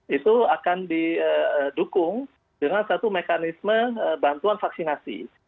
itu akan didukung dengan satu mekanisme bantuan vaksinasi